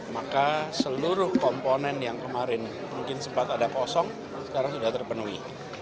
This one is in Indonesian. maka seluruh komponen yang kemarin mungkin sempat ada kosong sekarang sudah terpenuhi